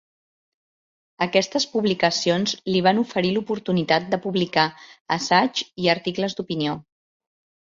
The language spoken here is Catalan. Aquestes publicacions li van oferir l'oportunitat de publicar assaigs i articles d'opinió.